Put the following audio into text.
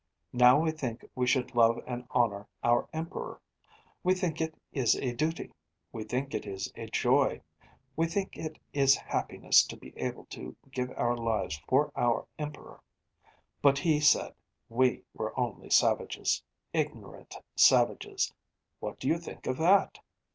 Now we think we should love and honour our Emperor. We think it is a duty. We think it is a joy. We think it is happiness to be able to give our lives for our Emperor. But he said we were only savages ignorant savages. What do you think of that?'